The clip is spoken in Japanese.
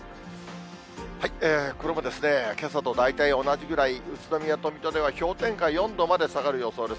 これもけさと大体同じぐらい、宇都宮と水戸では、氷点下４度まで下がる予想です。